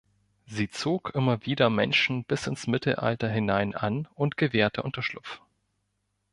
Sie zog immer wieder Menschen bis ins Mittelalter hinein an und gewährte Unterschlupf.